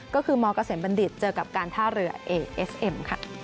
ก็คือมเกษมบัณฑิตเจอกับการท่าเรือเอเอสเอ็มค่ะ